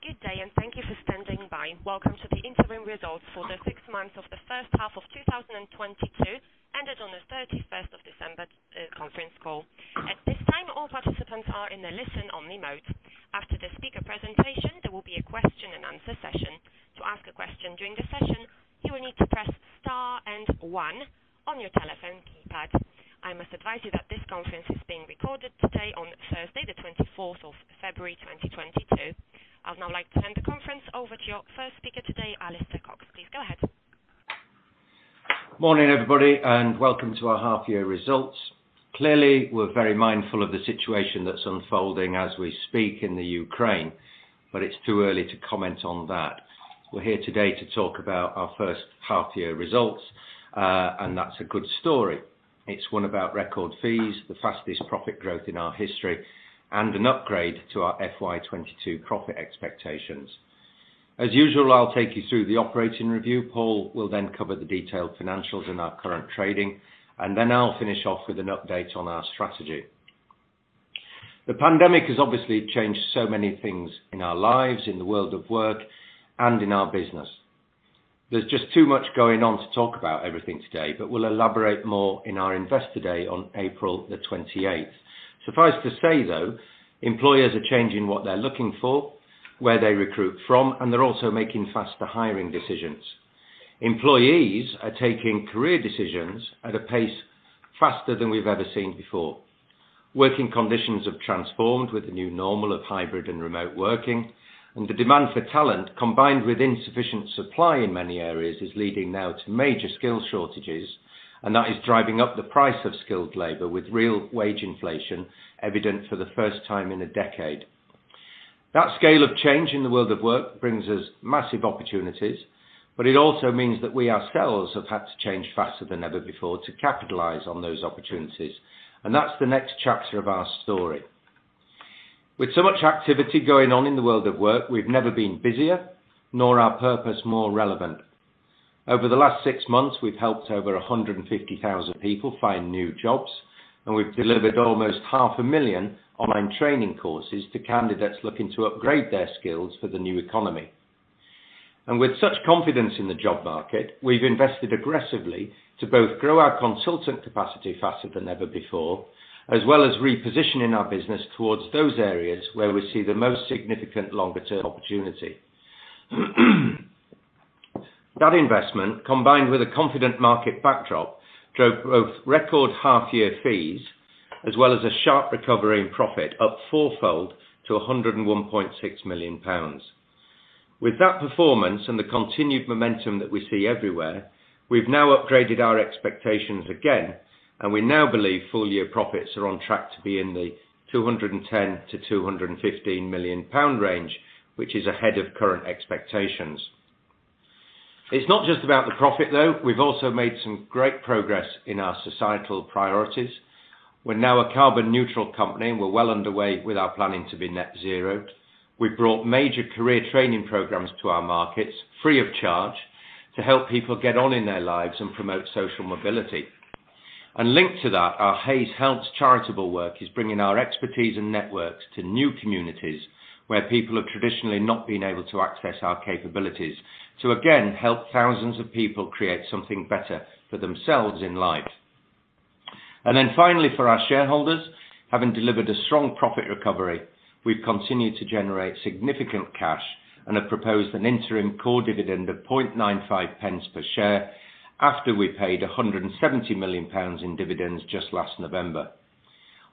Good day and thank you for standing by. Welcome to the interim results for the six months of the first half of 2022, ended on the 31st of December conference call. At this time, all participants are in a listen-only mode. After the speaker presentation, there will be a question and answer session. To ask a question during the session, you will need to press star and one on your telephone keypad. I must advise you that this conference is being recorded today on Thursday, the 24th of February, 2022. I'd now like to turn the conference over to your first speaker today, Alistair Cox. Please go ahead. Morning, everybody, and welcome to our half year results. Clearly, we're very mindful of the situation that's unfolding as we speak in the Ukraine, but it's too early to comment on that. We're here today to talk about our first half year results, and that's a good story. It's one about record fees, the fastest profit growth in our history, and an upgrade to our FY 2022 profit expectations. As usual, I'll take you through the operating review. Paul will then cover the detailed financials in our current trading, and then I'll finish off with an update on our strategy. The pandemic has obviously changed so many things in our lives, in the world of work, and in our business. There's just too much going on to talk about everything today, but we'll elaborate more in our Investor Day on April 28. Suffice to say, though, employers are changing what they're looking for, where they recruit from, and they're also making faster hiring decisions. Employees are taking career decisions at a pace faster than we've ever seen before. Working conditions have transformed with the new normal of hybrid and remote working, and the demand for talent, combined with insufficient supply in many areas, is leading now to major skill shortages, and that is driving up the price of skilled labor with real wage inflation evident for the first time in a decade. That scale of change in the world of work brings us massive opportunities, but it also means that we ourselves have had to change faster than ever before to capitalize on those opportunities, and that's the next chapter of our story. With so much activity going on in the world of work, we've never been busier, nor our purpose more relevant. Over the last six months, we've helped over 150,000 people find new jobs, and we've delivered almost 500,000 online training courses to candidates looking to upgrade their skills for the new economy. With such confidence in the job market, we've invested aggressively to both grow our consultant capacity faster than ever before, as well as repositioning our business towards those areas where we see the most significant longer-term opportunity. That investment, combined with a confident market backdrop, drove both record half-year fees as well as a sharp recovery in profit, up four-fold to 101.6 million pounds. With that performance and the continued momentum that we see everywhere, we've now upgraded our expectations again, and we now believe full-year profits are on track to be in the 210 million to 215 million pound range, which is ahead of current expectations. It's not just about the profit, though. We've also made some great progress in our societal priorities. We're now a carbon-neutral company, and we're well underway with our planning to be net zero. We've brought major career training programs to our markets, free of charge, to help people get on in their lives and promote social mobility. Linked to that, our Hays Helps charitable work is bringing our expertise and networks to new communities where people have traditionally not been able to access our capabilities to again help thousands of people create something better for themselves in life. Then finally, for our shareholders, having delivered a strong profit recovery, we've continued to generate significant cash and have proposed an interim core dividend of 0.0095 per share after we paid 170 million pounds in dividends just last November.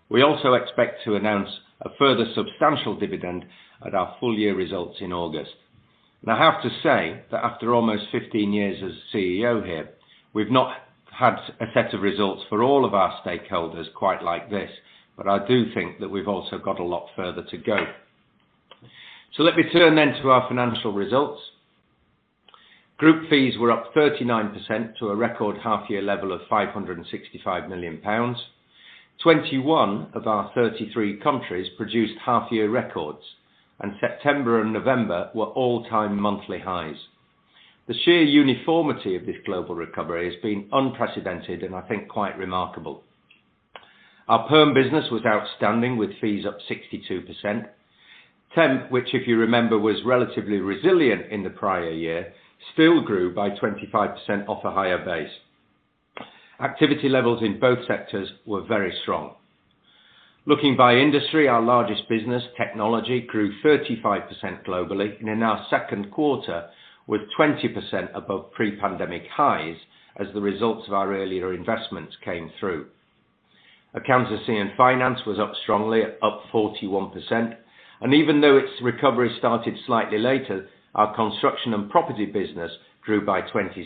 We also expect to announce a further substantial dividend at our full-year results in August. I have to say that after almost 15 years as CEO here, we've not had a set of results for all of our stakeholders quite like this. I do think that we've also got a lot further to go. Let me turn then to our financial results. Group fees were up 39% to a record half-year level of 565 million pounds. 21 of our 33 countries produced half-year records, and September and November were all-time monthly highs. The sheer uniformity of this global recovery has been unprecedented and I think quite remarkable. Our perm business was outstanding, with fees up 62%. Temp, which if you remember, was relatively resilient in the prior year, still grew by 25% off a higher base. Activity levels in both sectors were very strong. Looking by industry, our largest business, Technology, grew 35% globally and in our Q2 with 20% above pre-pandemic highs as the results of our earlier investments came through. Accountancy and Finance was up strongly, up 41%, and even though its recovery started slightly later, our Construction and Property business grew by 26%.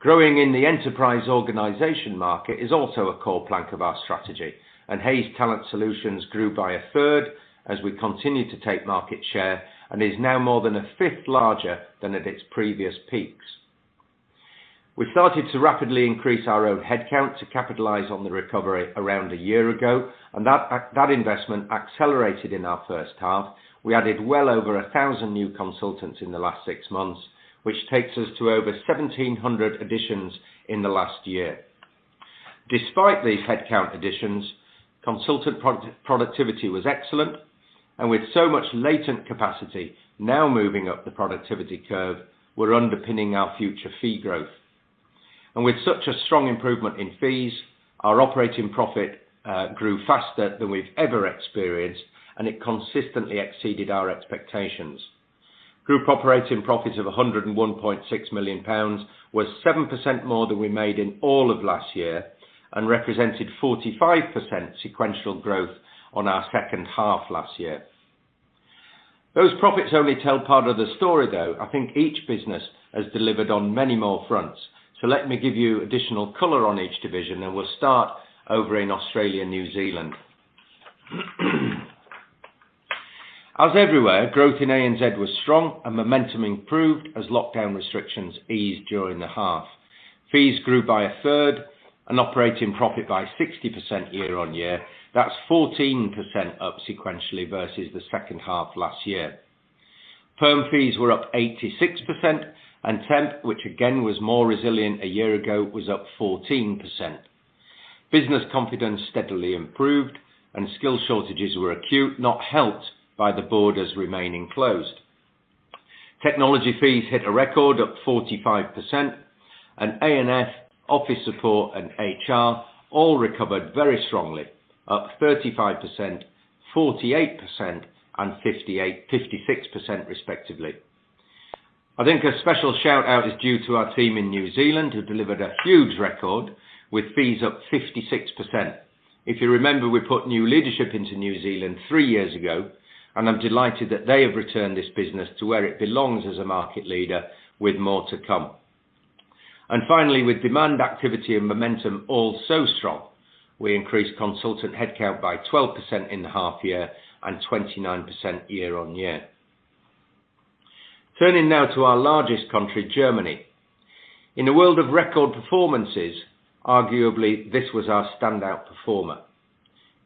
Growing in the enterprise organization market is also a core plank of our strategy, and Hays Talent Solutions grew by a third as we continued to take market share and is now more than a fifth larger than at its previous peaks. We started to rapidly increase our own headcount to capitalize on the recovery around a year ago, and that investment accelerated in our first half. We added well over 1,000 new consultants in the last six months, which takes us to over 1,700 additions in the last year. Despite these headcount additions, consultant productivity was excellent, and with so much latent capacity now moving up the productivity curve, we're underpinning our future fee growth. With such a strong improvement in fees, our operating profit grew faster than we've ever experienced, and it consistently exceeded our expectations. Group operating profits of 101.6 million pounds was 7% more than we made in all of last year, and represented 45% sequential growth on our second half last year. Those profits only tell part of the story, though. I think each business has delivered on many more fronts. Let me give you additional color on each division, and we'll start over in Australia, New Zealand. As everywhere, growth in ANZ was strong and momentum improved as lockdown restrictions eased during the half. Fees grew by a third, and operating profit by 60% year-on-year. That's 14% up sequentially versus the second half last year. Perm fees were up 86% and temp, which again was more resilient a year ago, was up 14%. Business confidence steadily improved and skill shortages were acute, not helped by the borders remaining closed. Technology fees hit a record, up 45%, and A&F office support and HR all recovered very strongly, up 35%, 48%, and 56%, respectively. I think a special shout-out is due to our team in New Zealand, who delivered a huge record with fees up 56%. If you remember, we put new leadership into New Zealand three years ago, and I'm delighted that they have returned this business to where it belongs as a market leader with more to come. Finally, with demand activity and momentum all so strong, we increased consultant headcount by 12% in the half year and 29% year on year. Turning now to our largest country, Germany. In a world of record performances, arguably this was our standout performer.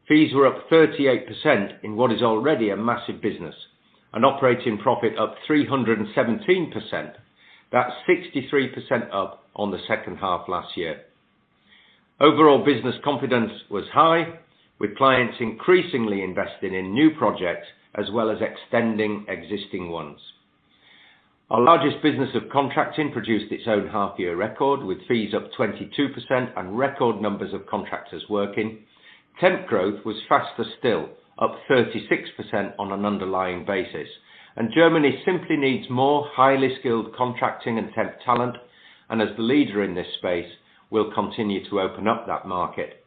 Fees were up 38% in what is already a massive business, an operating profit up 317%, that's 63% up on the second half last year. Overall business confidence was high, with clients increasingly investing in new projects as well as extending existing ones. Our largest business of contracting produced its own half-year record, with fees up 22% and record numbers of contractors working. Temp growth was faster still, up 36% on an underlying basis. Germany simply needs more highly skilled contracting and temp talent, and as the leader in this space, we'll continue to open up that market.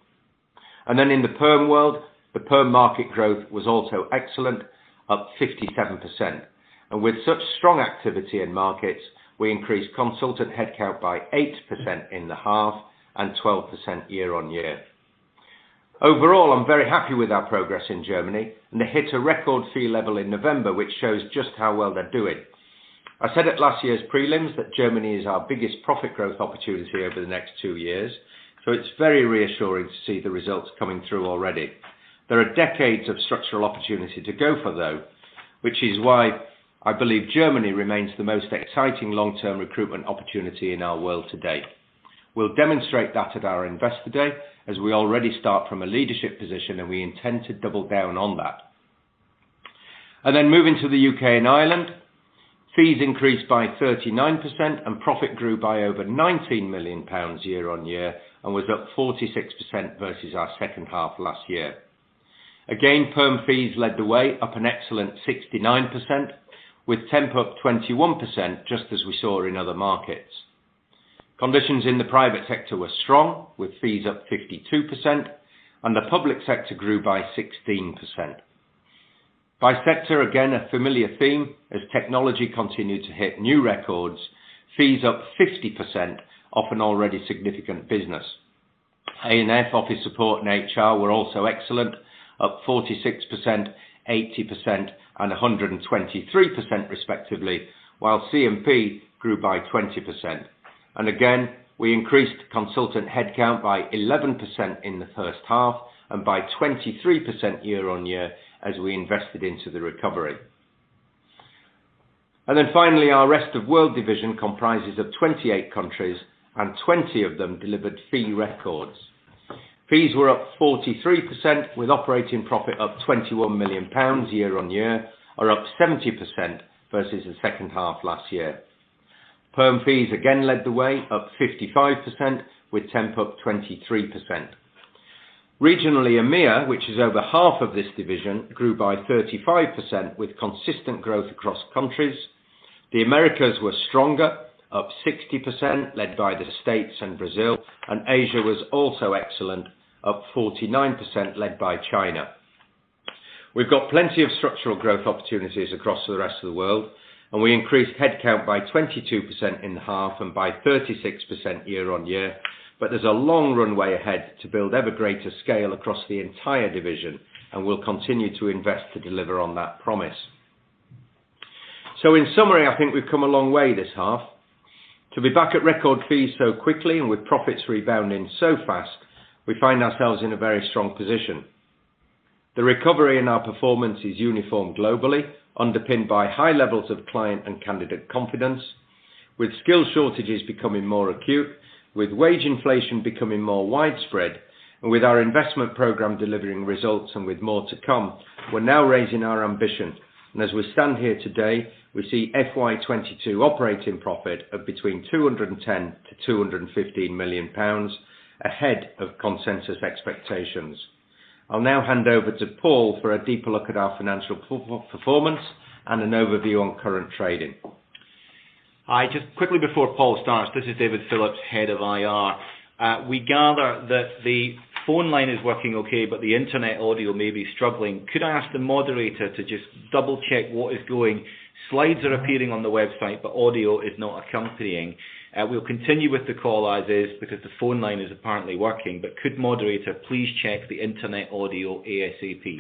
In the perm world, the perm market growth was also excellent, up 57%. With such strong activity in markets, we increased consultant headcount by 8% in the half and 12% year-on-year. Overall, I'm very happy with our progress in Germany, and they hit a record fee level in November, which shows just how well they're doing. I said at last year's prelims that Germany is our biggest profit growth opportunity over the next two years, so it's very reassuring to see the results coming through already. There are decades of structural opportunity to go for, though, which is why I believe Germany remains the most exciting long-term recruitment opportunity in our world today. We'll demonstrate that at our Investor Day, as we already start from a leadership position, and we intend to double down on that. Moving to the UK and Ireland, fees increased by 39% and profit grew by over GBP 19 million year on year and was up 46% versus our second half last year. Again, perm fees led the way, up an excellent 69%, with temp up 21%, just as we saw in other markets. Conditions in the private sector were strong, with fees up 52%, and the public sector grew by 16%. By sector, again, a familiar theme as technology continued to hit new records, fees up 50% off an already significant business. A&F office support and HR were also excellent, up 46%, 80% and 123% respectively, while C&P grew by 20%. Again, we increased consultant headcount by 11% in the first half and by 23% year-on-year as we invested into the recovery. Finally, our rest of world division comprises of 28 countries and 20 of them delivered fee records. Fees were up 43%, with operating profit up 21 million pounds year-on-year, or up 70% versus the second half last year. Perm fees again led the way up 55%, with temp up 23%. Regionally, EMEIA, which is over half of this division, grew by 35% with consistent growth across countries. The Americas were stronger, up 60%, led by the States and Brazil, and Asia was also excellent, up 49%, led by China. We've got plenty of structural growth opportunities across the rest of the world, and we increased headcount by 22% in half and by 36% year-on-year. But there's a long runway ahead to build ever greater scale across the entire division, and we'll continue to invest to deliver on that promise. In summary, I think we've come a long way this half. To be back at record fees so quickly and with profits rebounding so fast, we find ourselves in a very strong position. The recovery in our performance is uniform globally, underpinned by high levels of client and candidate confidence. With skill shortages becoming more acute, with wage inflation becoming more widespread, and with our investment program delivering results and with more to come, we're now raising our ambition. As we stand here today, we see FY 2022 operating profit of between 210 million and 215 million pounds ahead of consensus expectations. I'll now hand over to Paul for a deeper look at our financial performance and an overview on current trading. Hi. Just quickly before Paul starts, this is David Phillips, Head of IR. We gather that the phone line is working okay, but the internet audio may be struggling. Could I ask the moderator to just double-check. Slides are appearing on the website, but audio is not accompanying. We'll continue with the call as is because the phone line is apparently working, but could moderator please check the internet audio ASAP?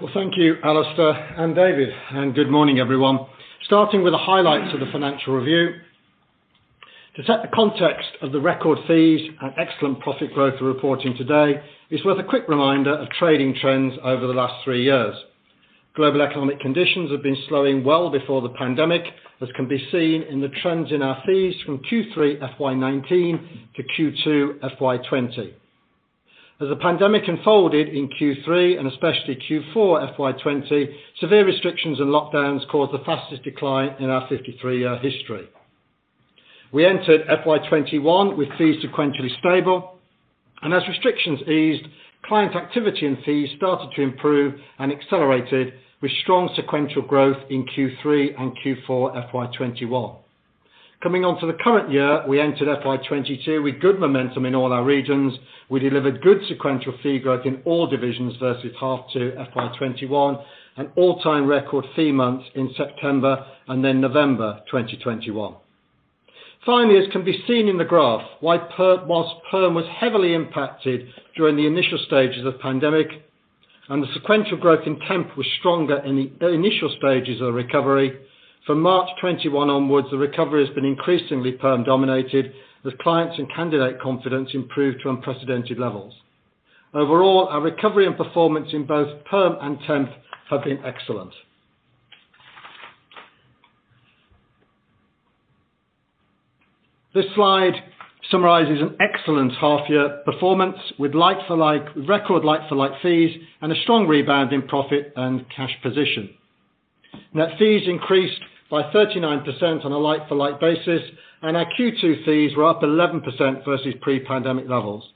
Well, thank you, Alistair and David, and good morning, everyone. Starting with the highlights of the financial review. To set the context of the record fees and excellent profit growth we're reporting today, it's worth a quick reminder of trading trends over the last three years. Global economic conditions have been slowing well before the pandemic, as can be seen in the trends in our fees from Q3 FY 2019 to Q2 FY 2020. As the pandemic unfolded in Q3 and especially Q4 FY 2020, severe restrictions and lockdowns caused the fastest decline in our 53 year history. We entered FY 2021 with fees sequentially stable, and as restrictions eased, client activity and fees started to improve and accelerated with strong sequential growth in Q3 and Q4 FY 2021. Coming on to the current year, we entered FY 2022 with good momentum in all our regions. We delivered good sequential fee growth in all divisions versus half to FY 2021 and all-time record fee months in September and then November 2021. Finally, as can be seen in the graph, whilst perm was heavily impacted during the initial stages of pandemic and the sequential growth in temp was stronger in the initial stages of recovery, from March 2021 onwards, the recovery has been increasingly perm-dominated as clients and candidate confidence improved to unprecedented levels. Overall, our recovery and performance in both perm and temp have been excellent. This slide summarizes an excellent half-year performance with like-for-like record like-for-like fees and a strong rebound in profit and cash position. Net fees increased by 39% on a like-for-like basis, and our Q2 fees were up 11% versus pre-pandemic levels.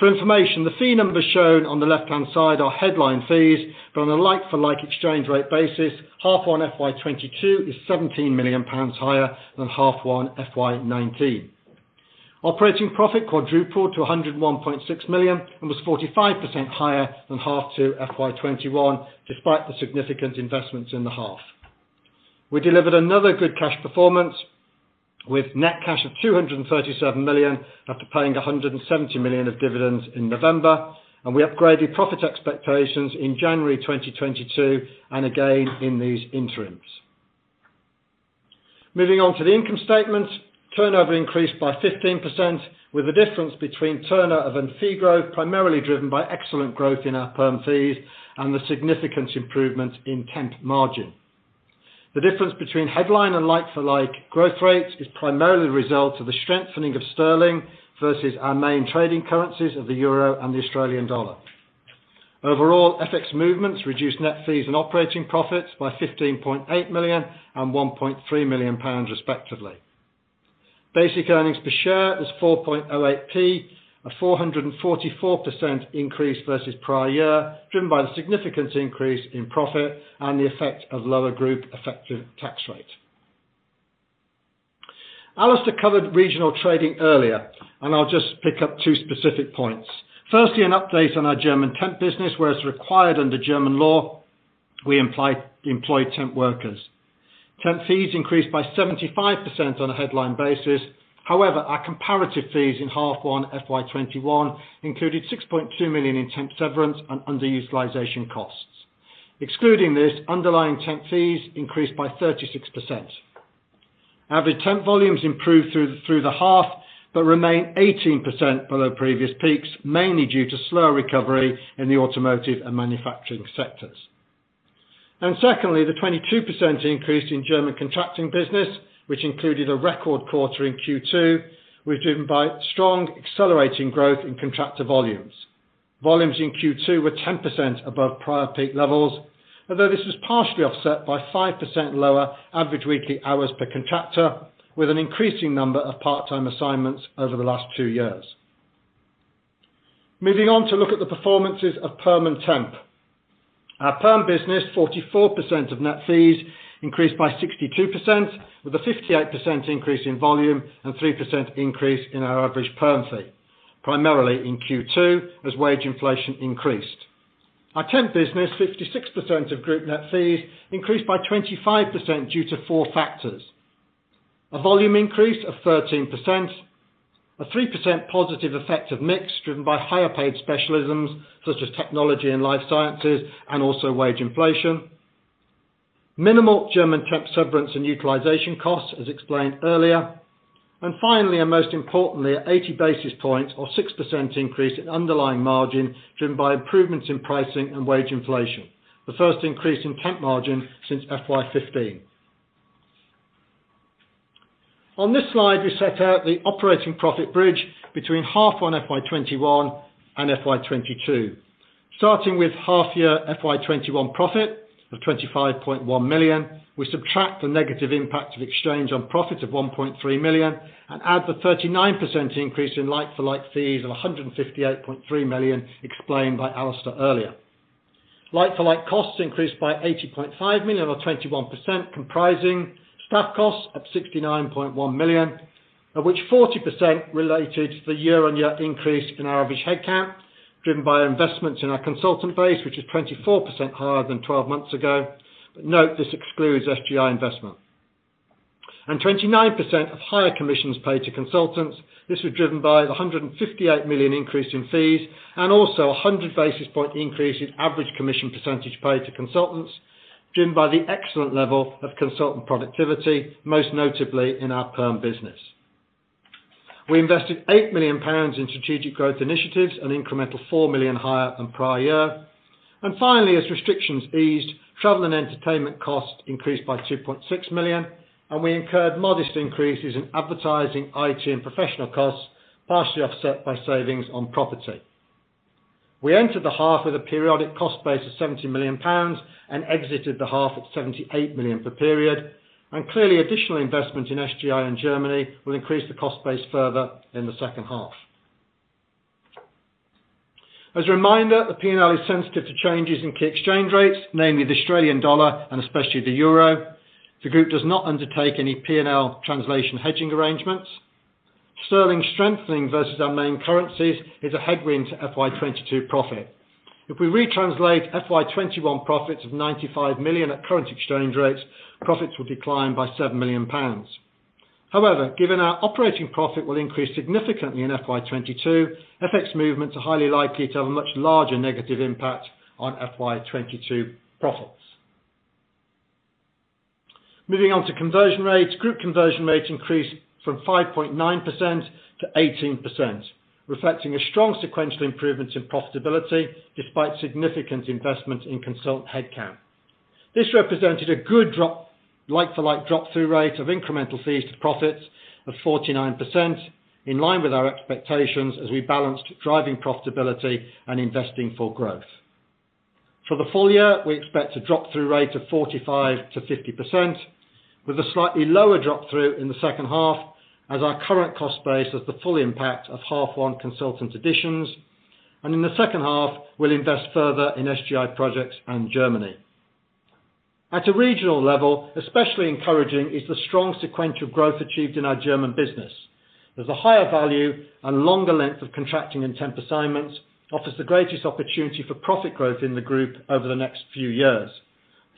For information, the fee numbers shown on the left-hand side are headline fees, but on a like-for-like exchange rate basis, H1 FY 2022 is GBP 17 million higher than H1 FY 2019. Operating profit quadrupled to 101.6 million and was 45% higher than H2 FY 2021, despite the significant investments in the half. We delivered another good cash performance with net cash of 237 million after paying 170 million of dividends in November, and we upgraded profit expectations in January 2022 and again in these interims. Moving on to the income statement. Turnover increased by 15% with the difference between turnover and fee growth primarily driven by excellent growth in our perm fees and the significant improvement in temp margin. The difference between headline and like-for-like growth rates is primarily the result of the strengthening of sterling versus our main trading currencies of the euro and the Australian dollar. Overall, FX movements reduced net fees and operating profits by 15.8 million and 1.3 million pounds, respectively. Basic earnings per share was 4.08p, a 444% increase versus prior year, driven by the significant increase in profit and the effect of lower group effective tax rate. Alistair covered regional trading earlier, and I'll just pick up two specific points. Firstly, an update on our German temp business. Where it's required under German law, we employ temp workers. Temp fees increased by 75% on a headline basis. However, our comparative fees in half one FY 2021 included 6.2 million in temp severance and underutilization costs. Excluding this, underlying temp fees increased by 36%. Average temp volumes improved through the half but remain 18% below previous peaks, mainly due to slower recovery in the automotive and manufacturing sectors. Secondly, the 22% increase in German contracting business, which included a record quarter in Q2, was driven by strong accelerating growth in contractor volumes. Volumes in Q2 were 10% above prior peak levels. Although this was partially offset by 5% lower average weekly hours per contractor, with an increasing number of part-time assignments over the last two years. Moving on to look at the performances of perm and temp. Our perm business, 44% of net fees, increased by 62%, with a 58% increase in volume and 3% increase in our average perm fee, primarily in Q2 as wage inflation increased. Our temp business, 56% of group net fees, increased by 25% due to four factors, a volume increase of 13%, a 3% positive effect of mix driven by higher paid specialisms such as technology and life sciences and also wage inflation. Minimal German temp severance and utilization costs, as explained earlier. Finally, and most importantly, 80 basis points or 6% increase in underlying margin driven by improvements in pricing and wage inflation. The first increase in temp margin since FY 2015. On this slide, we set out the operating profit bridge between H1 FY 2021 and FY 2022. Starting with H1 FY 2021 profit of 25.1 million, we subtract the negative impact of exchange on profit of 1.3 million and add the 39% increase in like-for-like fees of 158.3 million explained by Alistair earlier. Like-for-like costs increased by 80.5 million or 21%, comprising staff costs of 69.1 million, of which 40% related to the year-on-year increase in our average headcount, driven by investments in our consultant base, which is 24% higher than twelve months ago. Note, this excludes SGI investment. 29% of higher commissions paid to consultants. This was driven by the 158 million increase in fees and also 100 basis point increase in average commission percentage paid to consultants, driven by the excellent level of consultant productivity, most notably in our perm business. We invested 8 million pounds in strategic growth initiatives, an incremental 4 million higher than prior year. Finally, as restrictions eased, travel and entertainment costs increased by 2.6 million, and we incurred modest increases in advertising, IT, and professional costs, partially offset by savings on property. We entered the half with a periodic cost base of 70 million pounds and exited the half at 78 million per period. Clearly, additional investment in SGI and Germany will increase the cost base further in the second half. As a reminder, the P&L is sensitive to changes in key exchange rates, namely the Australian dollar and especially the euro. The group does not undertake any P&L translation hedging arrangements. Sterling strengthening versus our main currencies is a headwind to FY 2022 profit. If we retranslate FY 2021 profits of 95 million at current exchange rates, profits will decline by 7 million pounds. However, given our operating profit will increase significantly in FY 2022, FX movements are highly likely to have a much larger negative impact on FY 2022 profits. Moving on to conversion rates. Group conversion rates increased from 5.9% to 18%, reflecting a strong sequential improvement in profitability despite significant investment in consultant headcount. This represented a good like-for-like drop-through rate of incremental fees to profits of 49%, in line with our expectations as we balanced driving profitability and investing for growth. For the full year, we expect a drop-through rate of 45% to 50%, with a slightly lower drop-through in the second half as our current cost base has the full impact of H1 consultant additions. In the second half, we'll invest further in SGI projects and Germany. At a regional level, especially encouraging is the strong sequential growth achieved in our German business. There's a higher value and longer length of contracting in temp assignments offers the greatest opportunity for profit growth in the group over the next few years.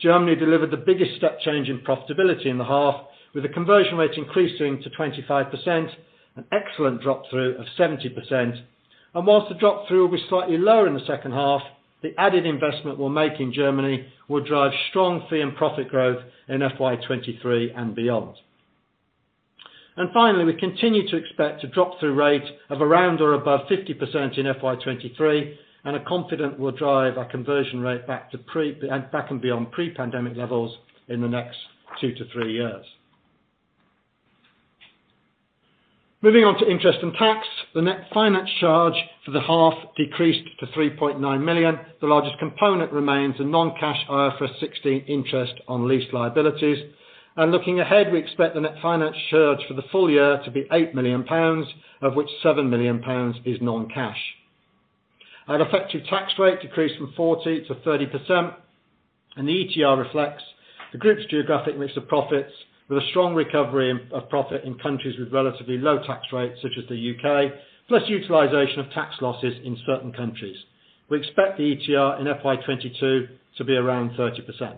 Germany delivered the biggest step change in profitability in the half, with a conversion rate increasing to 25%, an excellent drop-through of 70%. While the drop-through will be slightly lower in the second half, the added investment we'll make in Germany will drive strong fee and profit growth in FY 2023 and beyond. Finally, we continue to expect a drop-through rate of around or above 50% in FY 2023, and are confident we'll drive our conversion rate back to and beyond pre-pandemic levels in the next two to three years. Moving on to interest and tax. The net finance charge for the half decreased to 3.9 million. The largest component remains the non-cash IFRS 16 interest on lease liabilities. Looking ahead, we expect the net finance charge for the full year to be 8 million pounds, of which 7 million pounds is non-cash. Our effective tax rate decreased from 40% to 30%, and the ETR reflects the group's geographic mix of profits with a strong recovery of profit in countries with relatively low tax rates, such as the UK, plus utilization of tax losses in certain countries. We expect the ETR in FY 2022 to be around 30%.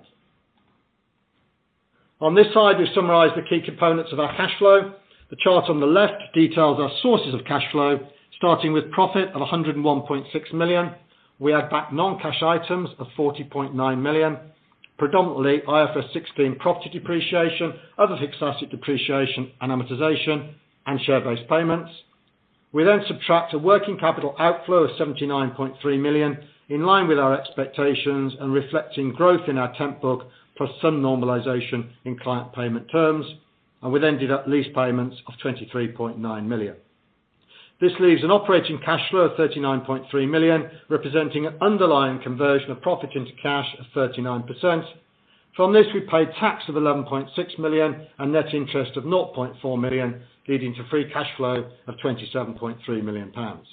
On this slide, we summarize the key components of our cash flow. The chart on the left details our sources of cash flow, starting with profit of 101.6 million. We add back non-cash items of 40.9 million, predominantly IFRS 16 property depreciation, other fixed asset depreciation and amortization, and share-based payments. We then subtract a working capital outflow of 79.3 million, in line with our expectations and reflecting growth in our temp book, plus some normalization in client payment terms. We then deduct lease payments of 23.9 million. This leaves an operating cash flow of 39.3 million, representing an underlying conversion of profit into cash of 39%. From this, we paid tax of 11.6 million and net interest of 0.4 million, leading to free cash flow of 27.3 million pounds.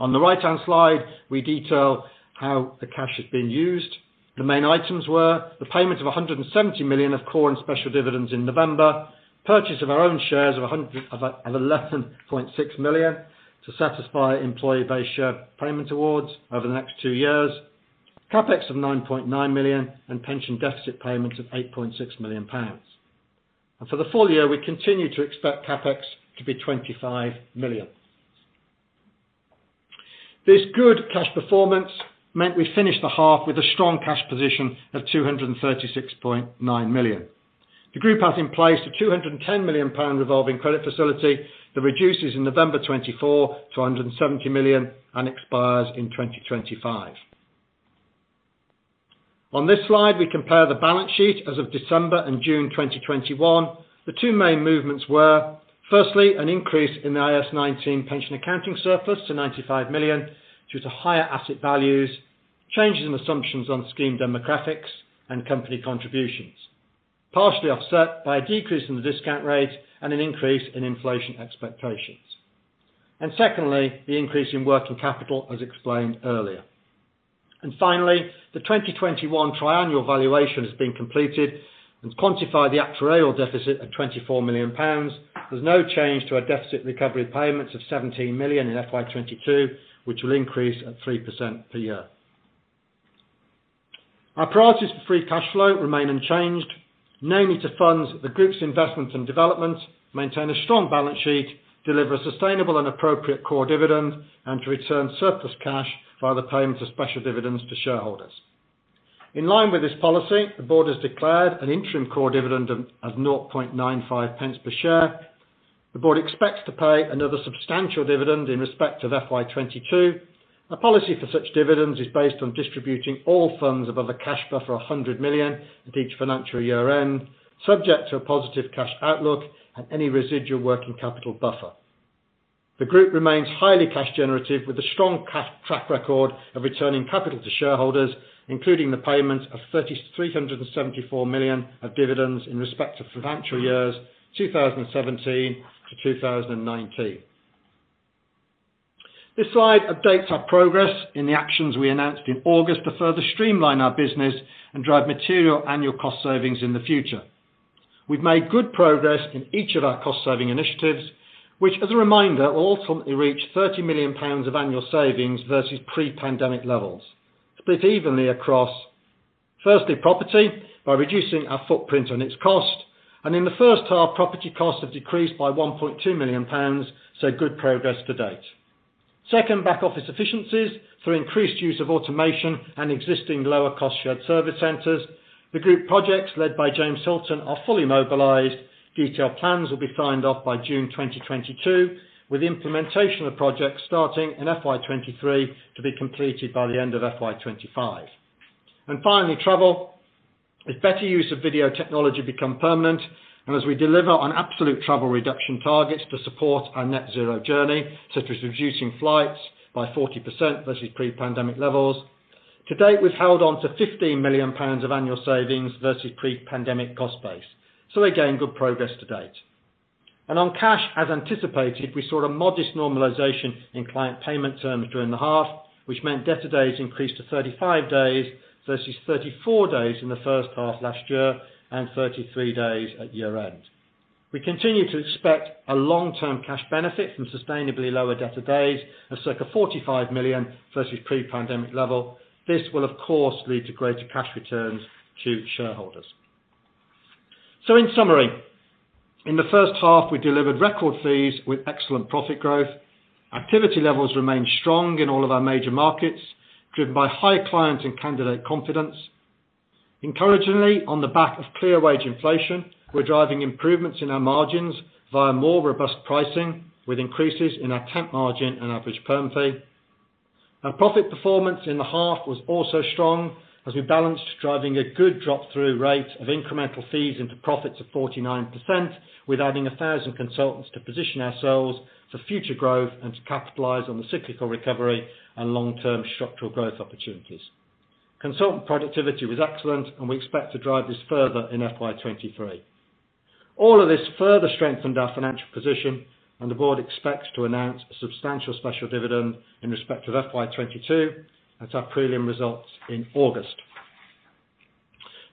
On the right-hand slide, we detail how the cash has been used. The main items were the payment of 170 million of core and special dividends in November, purchase of our own shares of 11.6 million to satisfy employee share-based payment awards over the next two years, CapEx of 9.9 million, and pension deficit payments of 8.6 million pounds. For the full year, we continue to expect CapEx to be 25 million. This good cash performance meant we finished the half with a strong cash position of 236.9 million. The group has in place a 210 million pound revolving credit facility that reduces in November 2024 to 170 million and expires in 2025. On this slide, we compare the balance sheet as of December 2021 and June 2021. The two main movements were firstly, an increase in the IAS 19 pension accounting surplus to 95 million due to higher asset values, changes in assumptions on scheme demographics, and company contributions, partially offset by a decrease in the discount rate and an increase in inflation expectations. Secondly, the increase in working capital, as explained earlier. Finally, the 2021 triennial valuation has been completed and quantifies the actuarial deficit at 24 million pounds. There's no change to our deficit recovery payments of 17 million in FY 2022, which will increase at 3% per year. Our priorities for free cash flow remain unchanged, namely to fund the group's investment and development, maintain a strong balance sheet, deliver sustainable and appropriate core dividend, and to return surplus cash via the payment of special dividends to shareholders. In line with this policy, the board has declared an interim core dividend of 0.95 pence per share. The board expects to pay another substantial dividend in respect to FY 2022. A policy for such dividends is based on distributing all funds above a cash buffer of 100 million at each financial year-end, subject to a positive cash outlook and any residual working capital buffer. The group remains highly cash generative with a strong cash track record of returning capital to shareholders, including the payment of 3,374 million of dividends in respect to financial years 2017 to 2019. This slide updates our progress in the actions we announced in August to further streamline our business and drive material annual cost savings in the future. We've made good progress in each of our cost-saving initiatives, which as a reminder, will ultimately reach 30 million pounds of annual savings versus pre-pandemic levels, split evenly across firstly, property by reducing our footprint and its cost, and in the first half, property costs have decreased by 1.2 million pounds, so good progress to date. Second, back-office efficiencies through increased use of automation and existing lower cost shared service centers. The group projects led by James Hilton are fully mobilized. Detailed plans will be signed off by June 2022, with implementation of projects starting in FY 2023 to be completed by the end of FY 2025. Finally, travel. As better use of video technology become permanent, and as we deliver on absolute travel reduction targets to support our net zero journey, such as reducing flights by 40% versus pre-pandemic levels. To date, we've held on to 15 million pounds of annual savings versus pre-pandemic cost base. Again, good progress to date. On cash, as anticipated, we saw a modest normalization in client payment terms during the half, which meant debtor days increased to 35 days versus 34 days in the first half last year and 33 days at year-end. We continue to expect a long-term cash benefit from sustainably lower debtor days of circa 45 million versus pre-pandemic level. This will of course lead to greater cash returns to shareholders. In summary, in the first half, we delivered record fees with excellent profit growth. Activity levels remained strong in all of our major markets, driven by high clients and candidate confidence. Encouragingly, on the back of clear wage inflation, we're driving improvements in our margins via more robust pricing with increases in our temp margin and average perm fee. Our profit performance in the half was also strong as we balanced driving a good drop-through rate of incremental fees into profits of 49% with adding 1,000 consultants to position ourselves for future growth and to capitalize on the cyclical recovery and long-term structural growth opportunities. Consultant productivity was excellent, and we expect to drive this further in FY 2023. All of this further strengthened our financial position, and the board expects to announce a substantial special dividend in respect of FY 2022 at our preliminary results in August.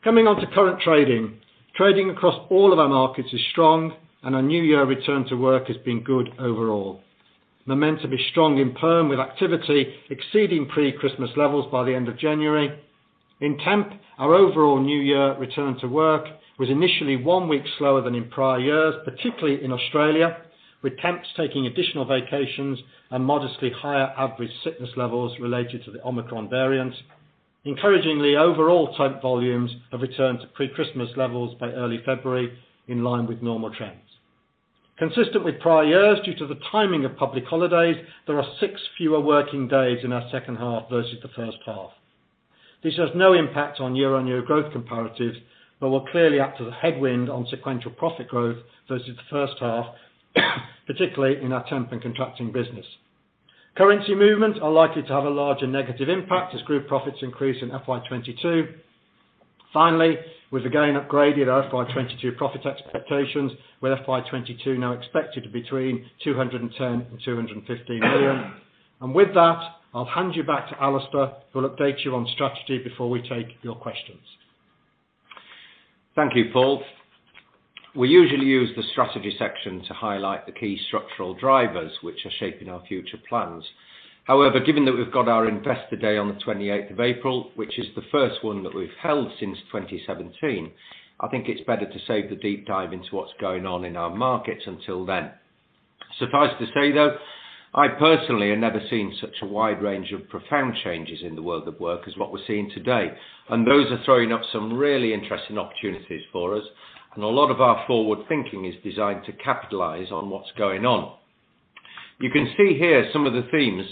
Coming on to current trading. Trading across all of our markets is strong, and our new year return to work has been good overall. Momentum is strong in perm, with activity exceeding pre-Christmas levels by the end of January. In temp, our overall new year return to work was initially one week slower than in prior years, particularly in Australia, with temps taking additional vacations and modestly higher average sickness levels related to the Omicron variant. Encouragingly, overall temp volumes have returned to pre-Christmas levels by early February, in line with normal trends. Consistent with prior years, due to the timing of public holidays, there are six fewer working days in our second half versus the first half. This has no impact on year-on-year growth comparatives, but we're clearly up against the headwind on sequential profit growth versus the first half, particularly in our temp and contracting business. Currency movements are likely to have a larger negative impact as group profits increase in FY 2022. Finally, we've again upgraded our FY 2022 profit expectations, with FY 2022 now expected between 210 million and 215 million. With that, I'll hand you back to Alistair, who will update you on strategy before we take your questions. Thank you, Paul. We usually use the strategy section to highlight the key structural drivers which are shaping our future plans. However, given that we've got our Investor Day on the twenty-eighth of April, which is the first one that we've held since 2017, I think it's better to save the deep dive into what's going on in our markets until then. Suffice to say, though, I personally have never seen such a wide range of profound changes in the world of work as what we're seeing today, and those are throwing up some really interesting opportunities for us, and a lot of our forward-thinking is designed to capitalize on what's going on. You can see here some of the themes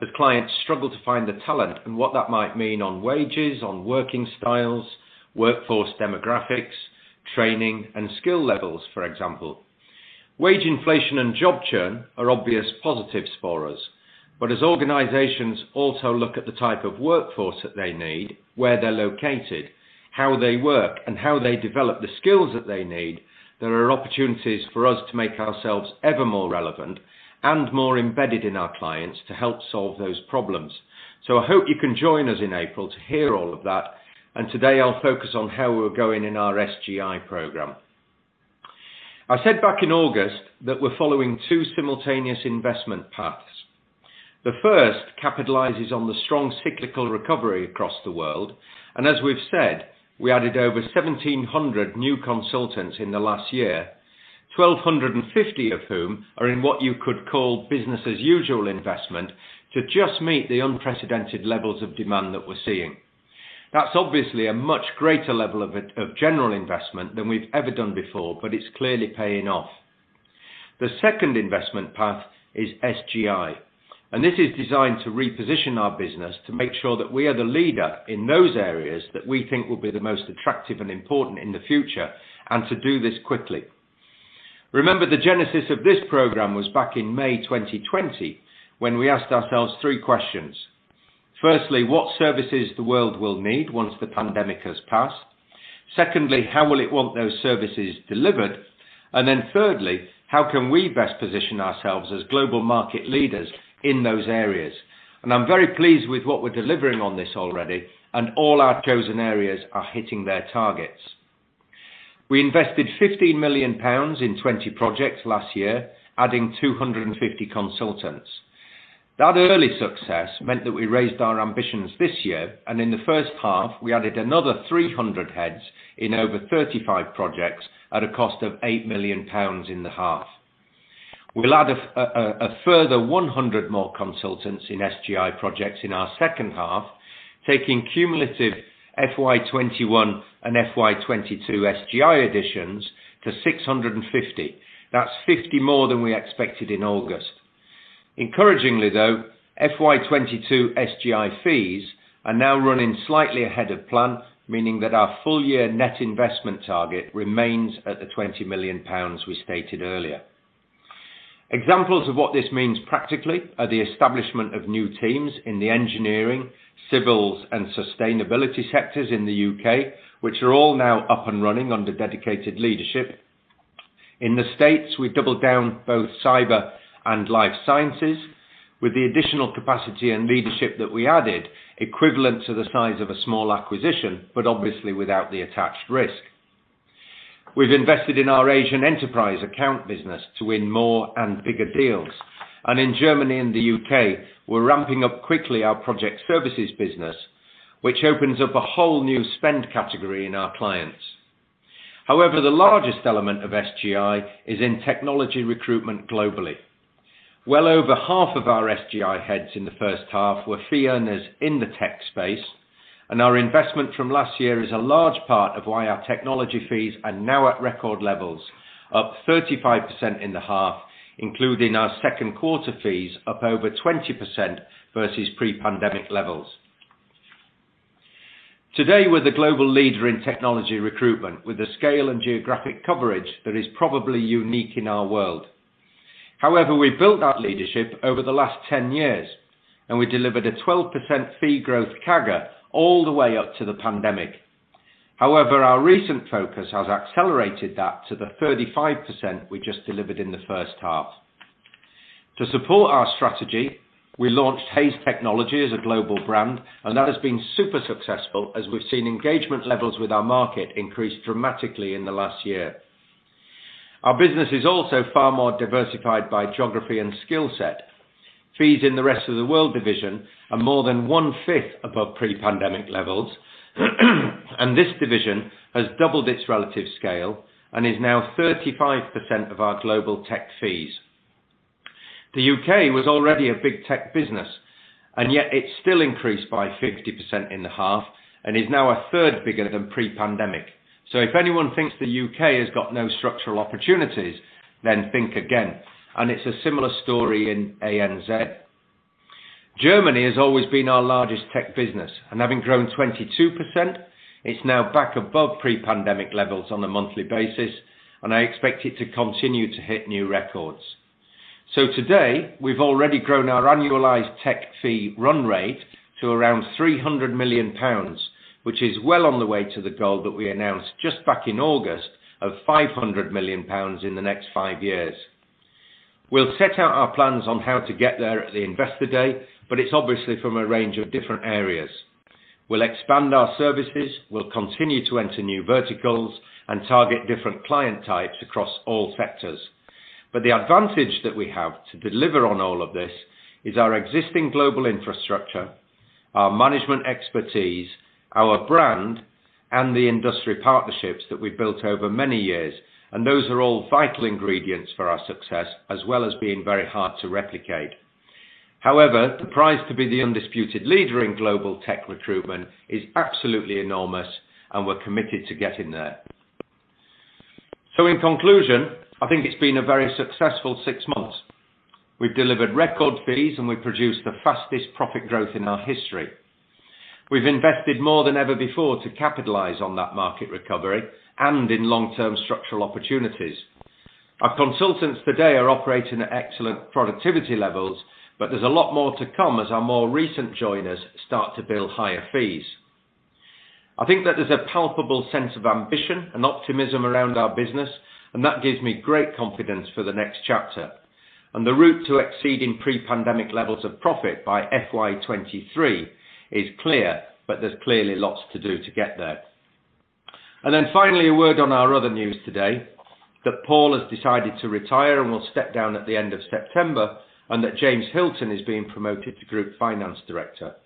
as clients struggle to find the talent and what that might mean on wages, on working styles, workforce demographics, training, and skill levels, for example. Wage inflation and job churn are obvious positives for us. As organizations also look at the type of workforce that they need, where they're located, how they work, and how they develop the skills that they need, there are opportunities for us to make ourselves ever more relevant and more embedded in our clients to help solve those problems. I hope you can join us in April to hear all of that, and today I'll focus on how we're going in our SGI program. I said back in August that we're following two simultaneous investment paths. The first capitalizes on the strong cyclical recovery across the world, and as we've said, we added over 1,700 new consultants in the last year, 1,250 of whom are in what you could call business as usual investment to just meet the unprecedented levels of demand that we're seeing. That's obviously a much greater level of general investment than we've ever done before, but it's clearly paying off. The second investment path is SGI, and this is designed to reposition our business to make sure that we are the leader in those areas that we think will be the most attractive and important in the future, and to do this quickly. Remember, the genesis of this program was back in May 2020, when we asked ourselves three questions. Firstly, what services the world will need once the pandemic has passed? Secondly, how will it want those services delivered? Then thirdly, how can we best position ourselves as global market leaders in those areas? I'm very pleased with what we're delivering on this already, and all our chosen areas are hitting their targets. We invested 15 million pounds in 20 projects last year, adding 250 consultants. That early success meant that we raised our ambitions this year, and in the first half, we added another 300 heads in over 35 projects at a cost of 8 million pounds in the half. We'll add a further 100 more consultants in SGI projects in our second half, taking cumulative FY 2021 and FY 2022 SGI additions to 650. That's 50 more than we expected in August. Encouragingly, though, FY 2022 SGI fees are now running slightly ahead of plan, meaning that our full year net investment target remains at the 20 million pounds we stated earlier. Examples of what this means practically are the establishment of new teams in the engineering, civils, and sustainability sectors in the UK, which are all now up and running under dedicated leadership. In the US, we've doubled down both cyber and life sciences with the additional capacity and leadership that we added, equivalent to the size of a small acquisition, but obviously without the attached risk. We've invested in our Asian enterprise account business to win more and bigger deals. In Germany and the UK, we're ramping up quickly our project services business, which opens up a whole new spend category in our clients. However, the largest element of SGI is in technology recruitment globally. Well over half of our SGI heads in the first half were fee earners in the tech space, and our investment from last year is a large part of why our technology fees are now at record levels, up 35% in the half, including our Q2 fees up over 20% versus pre-pandemic levels. Today, we're the global leader in technology recruitment with the scale and geographic coverage that is probably unique in our world. However, we built that leadership over the last 10 years, and we delivered a 12% fee growth CAGR all the way up to the pandemic. However, our recent focus has accelerated that to the 35% we just delivered in the first half. To support our strategy, we launched Hays Technology as a global brand, and that has been super successful as we've seen engagement levels with our market increase dramatically in the last year. Our business is also far more diversified by geography and skill set. Fees in the rest of the world division are more than 1/5 above pre-pandemic levels, and this division has doubled its relative scale and is now 35% of our global tech fees. The UK was already a big tech business, and yet it still increased by 50% in the half and is now 1/3 bigger than pre-pandemic. If anyone thinks the UK has got no structural opportunities, then think again. It's a similar story in ANZ. Germany has always been our largest tech business, and having grown 22%, it's now back above pre-pandemic levels on a monthly basis, and I expect it to continue to hit new records. Today, we've already grown our annualized tech fee run rate to around 300 million pounds, which is well on the way to the goal that we announced just back in August of 500 million pounds in the next five years. We'll set out our plans on how to get there at the Investor Day, but it's obviously from a range of different areas. We'll expand our services, we'll continue to enter new verticals, and target different client types across all sectors. The advantage that we have to deliver on all of this is our existing global infrastructure. Our management expertise, our brand, and the industry partnerships that we've built over many years. Those are all vital ingredients for our success, as well as being very hard to replicate. However, the prize to be the undisputed leader in global tech recruitment is absolutely enormous, and we're committed to getting there. In conclusion, I think it's been a very successful six months. We've delivered record fees, and we've produced the fastest profit growth in our history. We've invested more than ever before to capitalize on that market recovery and in long-term structural opportunities. Our consultants today are operating at excellent productivity levels, but there's a lot more to come as our more recent joiners start to build higher fees. I think that there's a palpable sense of ambition and optimism around our business, and that gives me great confidence for the next chapter. The route to exceeding pre-pandemic levels of profit by FY 2023 is clear, but there's clearly lots to do to get there. Finally, a word on our other news today, that Paul has decided to retire and will step down at the end of September, and that James Hilton is being promoted to Group Finance Director.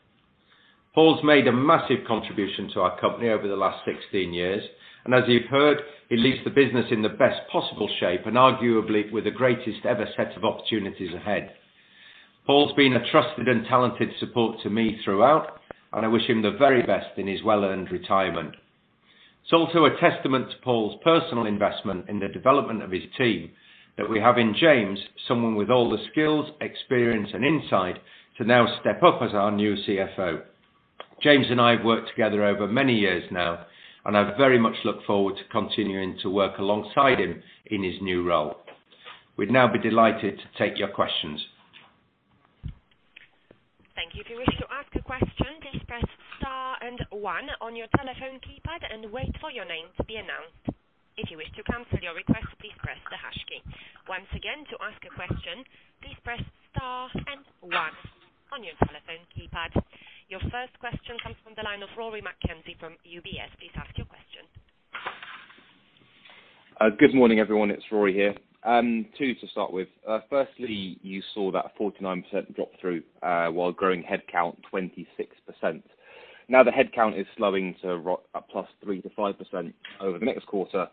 Paul's made a massive contribution to our company over the last 16 years, and as you've heard, he leaves the business in the best possible shape and arguably with the greatest ever set of opportunities ahead. Paul's been a trusted and talented support to me throughout, and I wish him the very best in his well-earned retirement. It's also a testament to Paul's personal investment in the development of his team that we have in James, someone with all the skills, experience, and insight to now step up as our new CFO. James and I have worked together over many years now, and I very much look forward to continuing to work alongside him in his new role. We'd now be delighted to take your questions. Your first question comes from the line of Rory McKenzie from UBS. Please ask your question. Good morning, everyone. It's Rory here. Two to start with. Firstly, you saw that 49% drop-through while growing head count 26%. Now, the head count is slowing to +3% to +5% over the next quarter.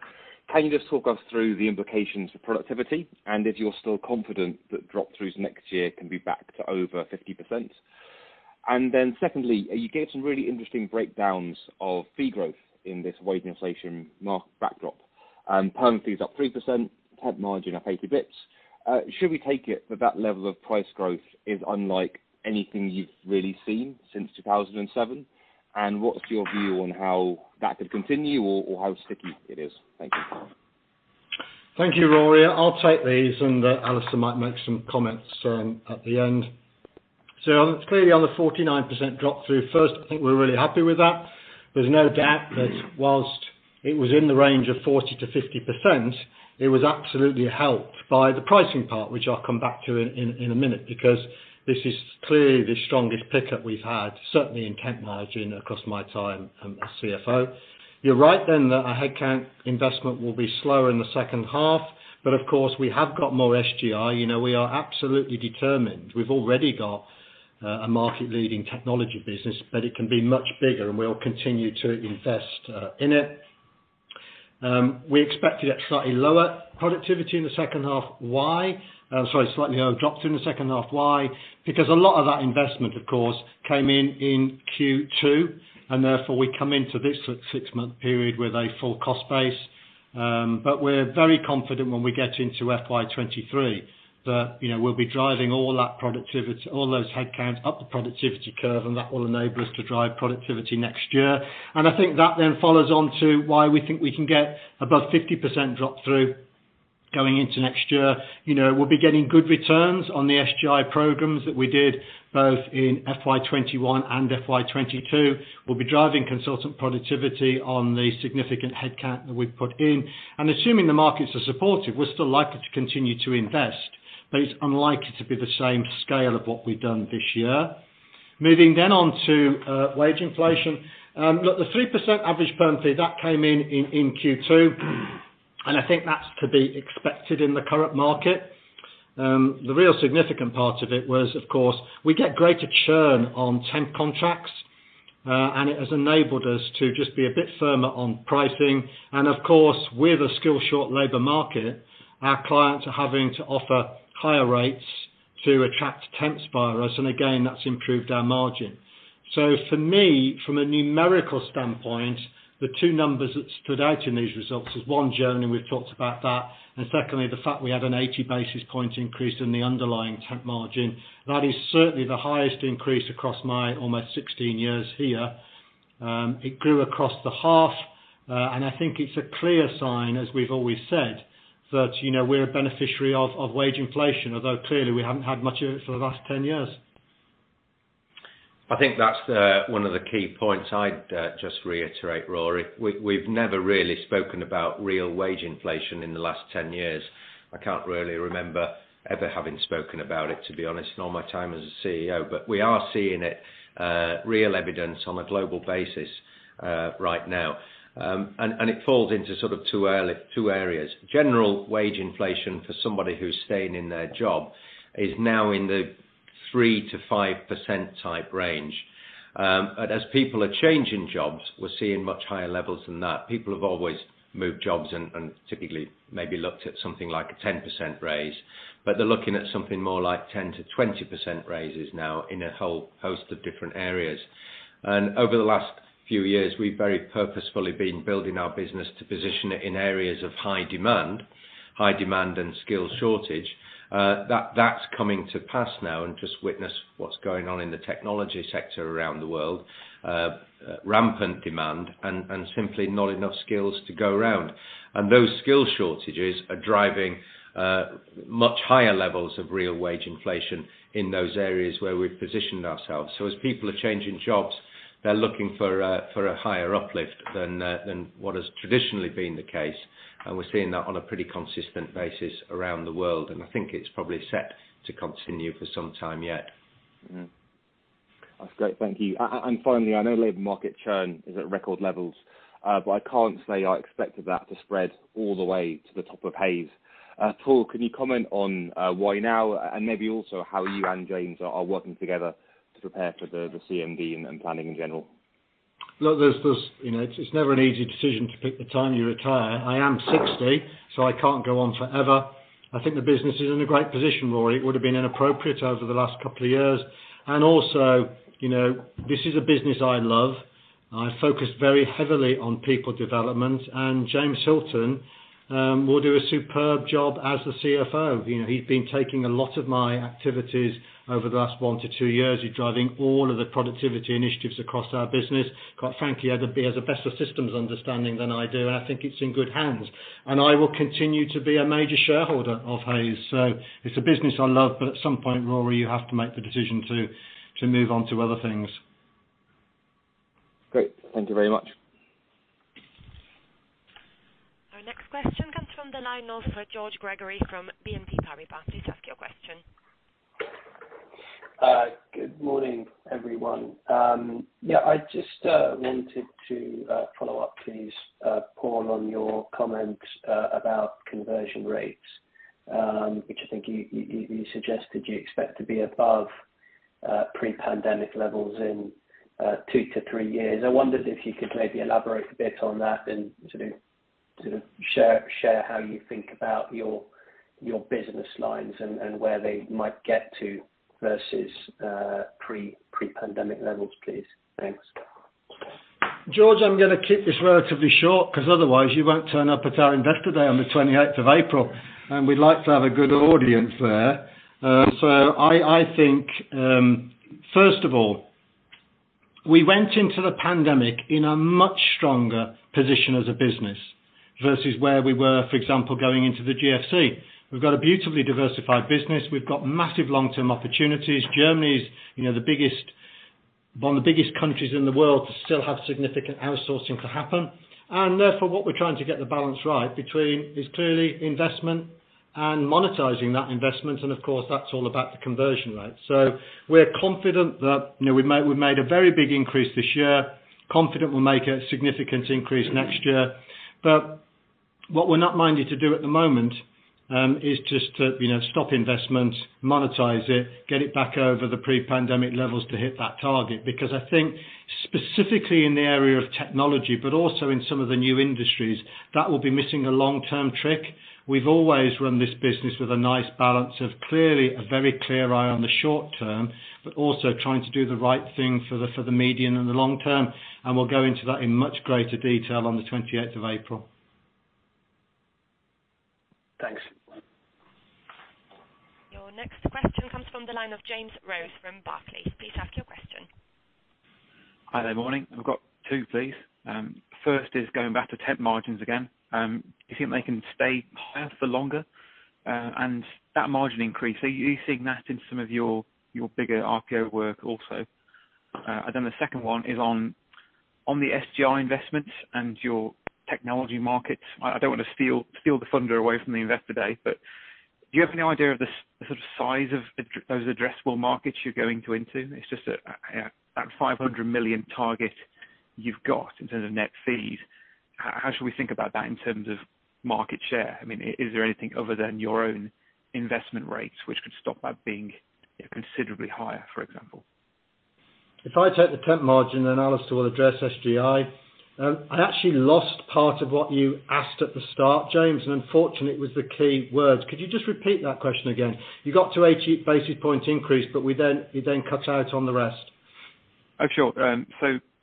Can you just talk us through the implications for productivity? If you're still confident that drop-throughs next year can be back to over 50%? Then secondly, you gave some really interesting breakdowns of fee growth in this wage inflation market backdrop. Perm fees up 3%, temp margin up 80 basis points. Should we take it that level of price growth is unlike anything you've really seen since 2007? What's your view on how that could continue or how sticky it is? Thank you. Thank you, Rory. I'll take these and Alistair might make some comments at the end. It's clearly on the 49% drop through. First, I think we're really happy with that. There's no doubt that while it was in the range of 40% to 50%, it was absolutely helped by the pricing part, which I'll come back to in a minute, because this is clearly the strongest pickup we've had, certainly in temp margin across my time as CFO. You're right that our head count investment will be slower in the second half, but of course, we have got more SGI. You know, we are absolutely determined. We've already got a market-leading technology business, but it can be much bigger, and we'll continue to invest in it. We expect it at slightly lower productivity in the second half. Why? Sorry, slightly lower drop through in the second half. Why? Because a lot of that investment, of course, came in in Q2, and therefore, we come into this six-month period with a full cost base. We're very confident when we get into FY 2023 that, you know, we'll be driving all that productivity, all those head counts up the productivity curve, and that will enable us to drive productivity next year. I think that then follows on to why we think we can get above 50% drop through going into next year. You know, we'll be getting good returns on the SGI programs that we did, both in FY 2021 and FY 2022. We'll be driving consultant productivity on the significant head count that we've put in. Assuming the markets are supportive, we're still likely to continue to invest, but it's unlikely to be the same scale of what we've done this year. Moving then on to wage inflation. Look, the 3% average perm fee that came in in Q2, and I think that's to be expected in the current market. The real significant part of it was, of course, we get greater churn on temp contracts, and it has enabled us to just be a bit firmer on pricing. Of course, in a skills-short labor market, our clients are having to offer higher rates to attract temps via us. Again, that's improved our margin. For me, from a numerical standpoint, the two numbers that stood out in these results is one, journey, we've talked about that. Secondly, the fact we had an 80 basis point increase in the underlying temp margin. That is certainly the highest increase across my almost 16 years here. It grew across the half, and I think it's a clear sign, as we've always said, that, you know, we're a beneficiary of wage inflation, although clearly we haven't had much of it for the last 10 years. I think that's one of the key points I'd just reiterate, Rory. We've never really spoken about real wage inflation in the last 10 years. I can't really remember ever having spoken about it, to be honest, in all my time as a CEO. We are seeing it, real evidence on a global basis, right now. It falls into sort of two areas. General wage inflation for somebody who's staying in their job is now in the 3% to 5% type range. As people are changing jobs, we're seeing much higher levels than that. People have always moved jobs and typically maybe looked at something like a 10% raise, but they're looking at something more like 10% to 20% raises now in a whole host of different areas. Over the last few years, we've very purposefully been building our business to position it in areas of high demand and skill shortage. That's coming to pass now. Just witness what's going on in the technology sector around the world. Rampant demand and simply not enough skills to go around. Those skill shortages are driving much higher levels of real wage inflation in those areas where we've positioned ourselves. As people are changing jobs, they're looking for a higher uplift than what has traditionally been the case. We're seeing that on a pretty consistent basis around the world, and I think it's probably set to continue for some time yet. Mm-hmm. That's great. Thank you. Finally, I know labor market churn is at record levels, but I can't say I expected that to spread all the way to the top of Hays. Paul, can you comment on why now? Maybe also how you and James are working together to prepare for the CMD and planning in general. Look, there's you know, it's never an easy decision to pick the time you retire. I am 60, so I can't go on forever. I think the business is in a great position, Rory. It would have been inappropriate over the last couple of years. Also, you know, this is a business I love. I focus very heavily on people development, and James Hilton will do a superb job as the CFO. You know, he's been taking a lot of my activities over the last 1 to 2 years. He's driving all of the productivity initiatives across our business. Quite frankly, he has a better systems understanding than I do. I think it's in good hands, and I will continue to be a major shareholder of Hays. It's a business I love, but at some point, Rory, you have to make the decision to move on to other things. Great. Thank you very much. Our next question comes from the line of Greg Boutle from BNP Paribas. Please ask your question. Good morning, everyone. I just wanted to follow up please, Paul, on your comment about conversion rates, which I think you suggested you expect to be above pre-pandemic levels in two to three years. I wondered if you could maybe elaborate a bit on that and sort of share how you think about your business lines and where they might get to versus pre-pandemic levels, please. Thanks. Greg, I'm gonna keep this relatively short because otherwise you won't turn up at our Investor Day on the 28th of April, and we'd like to have a good audience there. I think first of all, we went into the pandemic in a much stronger position as a business versus where we were, for example, going into the GFC. We've got a beautifully diversified business. We've got massive long-term opportunities. Germany is, you know, the biggest one of the biggest countries in the world to still have significant outsourcing to happen. Therefore, what we're trying to get the balance right between is clearly investment and monetizing that investment. Of course, that's all about the conversion rate. We're confident that, you know, we made a very big increase this year, confident we'll make a significant increase next year. What we're not minded to do at the moment is just to stop investment, monetize it, get it back over the pre-pandemic levels to hit that target. Because I think specifically in the area of technology, but also in some of the new industries, that will be missing a long-term trick. We've always run this business with a nice balance of clearly a very clear eye on the short term, but also trying to do the right thing for the medium and the long term. We'll go into that in much greater detail on the twenty-eighth of April. Thanks. Your next question comes from the line of James Rose from Barclays. Please ask your question. Hi there. Morning. I've got two, please. First is going back to temp margins again. Do you think they can stay higher for longer? That margin increase, are you seeing that in some of your bigger RPO work also? The second one is on the SGI investments and your technology markets. I don't want to steal the thunder away from the Investor Day, but do you have any idea of the sort of size of those addressable markets you're going into? It's just that that 500 million target you've got in terms of net fees, how should we think about that in terms of market share? I mean, is there anything other than your own investment rates which could stop that being considerably higher, for example? If I take the temp margin, then Alistair will address SGI. I actually lost part of what you asked at the start, James, and unfortunately it was the key words. Could you just repeat that question again? You got to 80 basis points increase, but you then cut out on the rest. Oh, sure.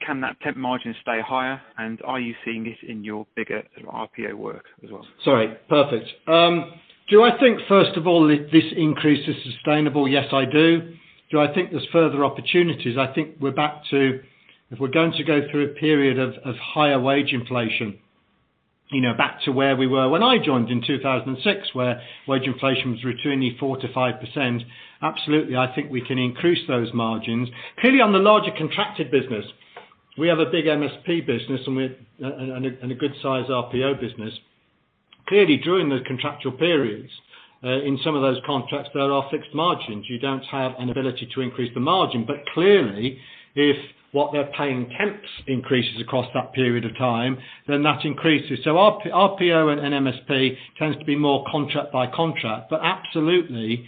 Can that temp margin stay higher, and are you seeing this in your bigger RPO work as well? Sorry. Perfect. Do I think, first of all, this increase is sustainable? Yes, I do. Do I think there's further opportunities? I think we're back to if we're going to go through a period of higher wage inflation, you know, back to where we were when I joined in 2006, where wage inflation was routinely 4% to 5%, absolutely, I think we can increase those margins. Clearly, on the larger contracted business, we have a big MSP business, and a good size RPO business. Clearly, during those contractual periods, in some of those contracts, there are fixed margins. You don't have an ability to increase the margin. But clearly, if what they're paying temps increases across that period of time, then that increases. Our RPO and MSP tends to be more contract by contract. Absolutely,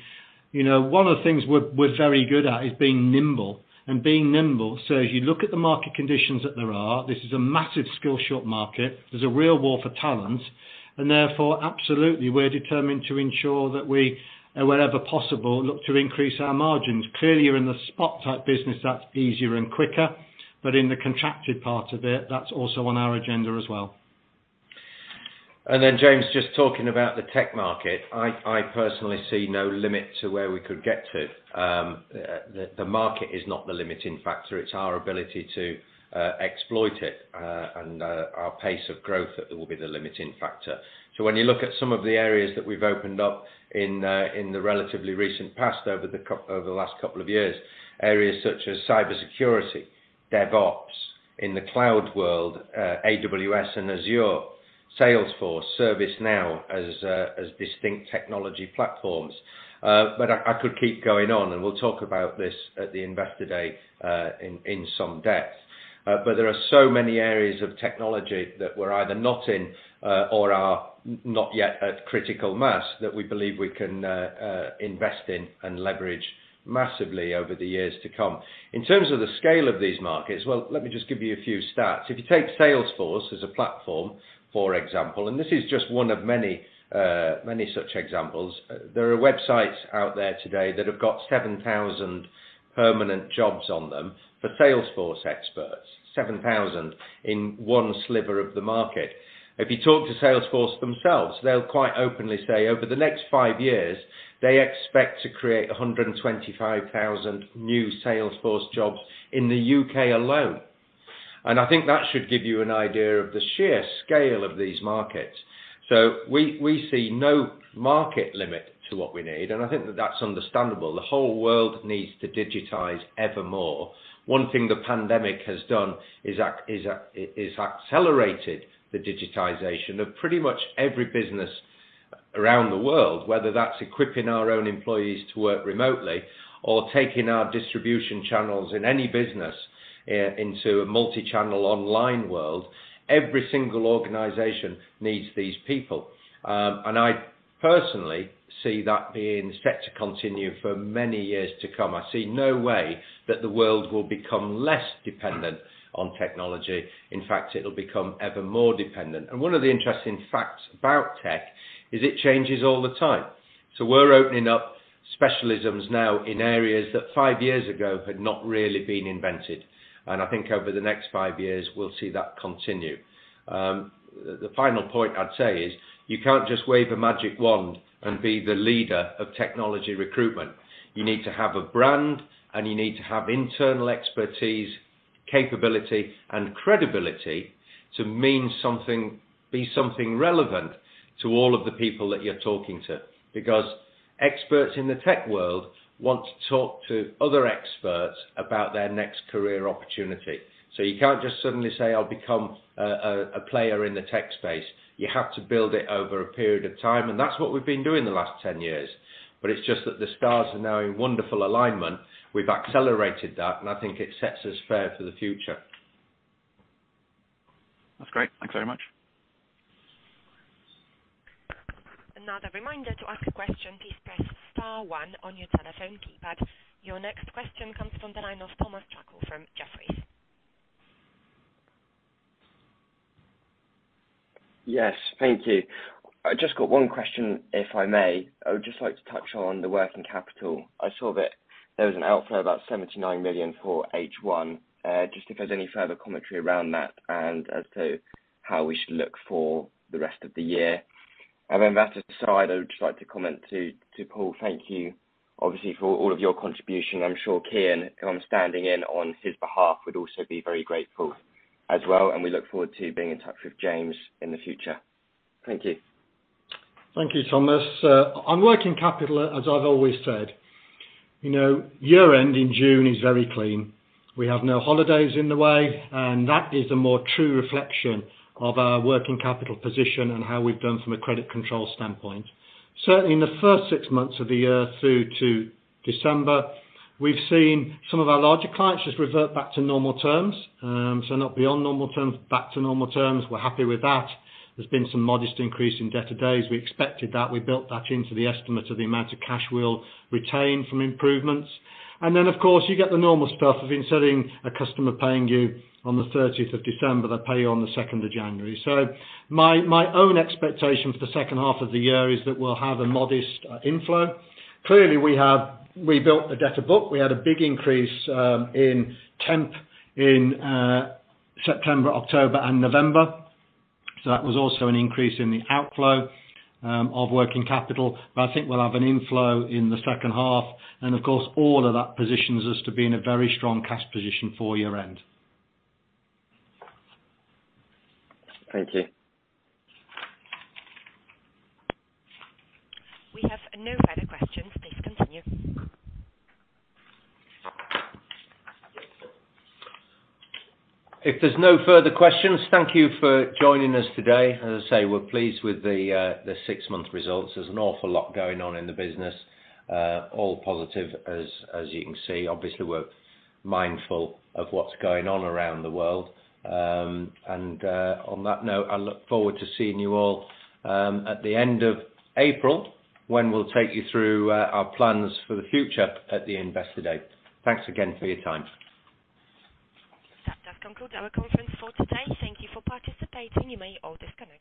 you know, one of the things we're very good at is being nimble. Being nimble means you look at the market conditions that there are. This is a massive skills-short market. There's a real war for talent, and therefore, absolutely, we're determined to ensure that we, wherever possible, look to increase our margins. Clearly in the spot-type business, that's easier and quicker, but in the contracted part of it, that's also on our agenda as well. James, just talking about the tech market, I personally see no limit to where we could get to. The market is not the limiting factor. It's our ability to exploit it, and our pace of growth that will be the limiting factor. When you look at some of the areas that we've opened up in the relatively recent past, over the last couple of years, areas such as cybersecurity, DevOps in the cloud world, AWS, and Azure, Salesforce, ServiceNow as distinct technology platforms. I could keep going on, and we'll talk about this at the Investor Day in some depth. There are so many areas of technology that we're either not in, or are not yet at critical mass, that we believe we can invest in and leverage massively over the years to come. In terms of the scale of these markets, well, let me just give you a few stats. If you take Salesforce as a platform, for example, and this is just one of many such examples. There are websites out there today that have got 7,000 permanent jobs on them for Salesforce experts. 7,000 in one sliver of the market. If you talk to Salesforce themselves, they'll quite openly say, over the next five years, they expect to create 125,000 new Salesforce jobs in the UK alone. I think that should give you an idea of the sheer scale of these markets. We see no market limit to what we need, and I think that's understandable. The whole world needs to digitize evermore. One thing the pandemic has done is accelerated the digitization of pretty much every business around the world, whether that's equipping our own employees to work remotely or taking our distribution channels in any business into a multi-channel online world. Every single organization needs these people. I personally see that being set to continue for many years to come. I see no way that the world will become less dependent on technology. In fact, it'll become ever more dependent. One of the interesting facts about tech is it changes all the time. We're opening up specialisms now in areas that five years ago had not really been invented. I think over the next five years, we'll see that continue. The final point I'd say is you can't just wave a magic wand and be the leader of technology recruitment. You need to have a brand, and you need to have internal expertise, capability, and credibility to mean something, be something relevant to all of the people that you're talking to. Because experts in the tech world want to talk to other experts about their next career opportunity. You can't just suddenly say, "I'll become a player in the tech space." You have to build it over a period of time, and that's what we've been doing the last 10 years. It's just that the stars are now in wonderful alignment. We've accelerated that, and I think it sets us fair for the future. That's great. Thanks very much. Another reminder, to ask a question, please press star one on your telephone keypad. Your next question comes from the line of Thomas Singlehurst from Jefferies. Yes. Thank you. I just got one question, if I may. I would just like to touch on the working capital. I saw that there was an outflow of about 79 million for H1. Just if there's any further commentary around that and as to how we should look for the rest of the year. Then that aside, I would just like to comment to Paul. Thank you, obviously, for all of your contribution. I'm sure Kieran, if I'm standing in on his behalf, would also be very grateful as well. We look forward to being in touch with James in the future. Thank you. Thank you, Thomas. On working capital, as I've always said, you know, year-end in June is very clean. We have no holidays in the way, and that is a more true reflection of our working capital position and how we've done from a credit control standpoint. Certainly in the first six months of the year through to December, we've seen some of our larger clients just revert back to normal terms. So not beyond normal terms, back to normal terms. We're happy with that. There's been some modest increase in debtor days. We expected that. We built that into the estimate of the amount of cash we'll retain from improvements. Then, of course, you get the normal stuff of an instance of a customer paying you on the thirtieth of December, they pay you on the second of January. My own expectation for the second half of the year is that we'll have a modest inflow. Clearly, we have built the debtor book. We had a big increase in temp in September, October and November. That was also an increase in the outflow of working capital. I think we'll have an inflow in the second half. Of course, all of that positions us to be in a very strong cash position for year-end. Thank you. We have no further questions. Please continue. If there's no further questions, thank you for joining us today. As I say, we're pleased with the six-month results. There's an awful lot going on in the business, all positive as you can see. Obviously, we're mindful of what's going on around the world. On that note, I look forward to seeing you all at the end of April, when we'll take you through our plans for the future at the Investor Day. Thanks again for your time. That does conclude our conference for today. Thank you for participating. You may all disconnect.